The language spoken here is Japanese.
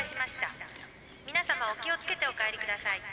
皆さまお気をつけてお帰りください。